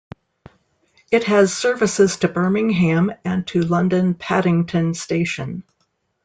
It has services to Birmingham and to London Paddington station.